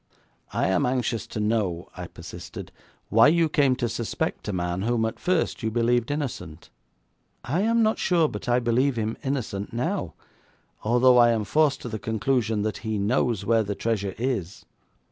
'I am anxious to know,' I persisted, 'why you came to suspect a man whom at first you believed innocent.' 'I am not sure but I believe him innocent now, although I am forced to the conclusion that he knows where the treasure is.'